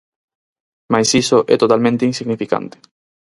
Mais iso é totalmente insignificante.